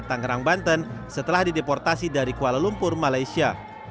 tangerang banten setelah dideportasi dari kuala lumpur malaysia